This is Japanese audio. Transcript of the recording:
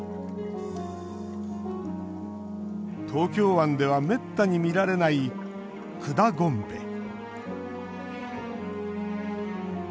東京湾ではめったに見られないクダゴンベ。